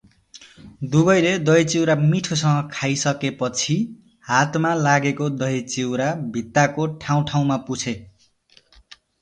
दुवैले दही चिउरा मिठोसँग खाइसकेपछि हातमा लागेको दही चिउरा भित्ताको ठाउँ ठाउँमा पुछे ।